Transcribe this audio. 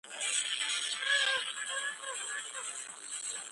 შემდგომში იგი აპირებდა მათგან ერთ-ერთის არჩევას.